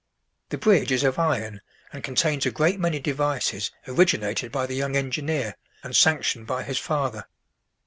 The bridge is of iron, and contains a great many devices originated by the young engineer, and sanctioned by his father.